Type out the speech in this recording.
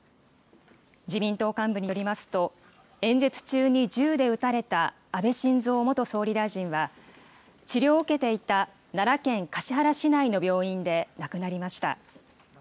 自民党幹部によりますと、演説中に銃で撃たれた安倍晋三元総理大臣は、治療を受けていた奈良県橿原市内の病院で亡くなりました。